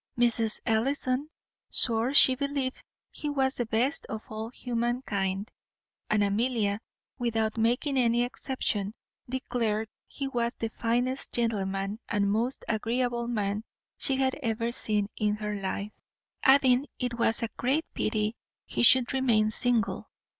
Mrs. Ellison swore she believed he was the best of all humankind; and Amelia, without making any exception, declared he was the finest gentleman and most agreeable man she had ever seen in her life; adding, it was great pity he should remain single.